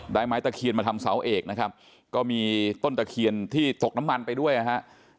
ไม้ตะเคียนมาทำเสาเอกนะครับก็มีต้นตะเคียนที่ตกน้ำมันไปด้วยนะฮะ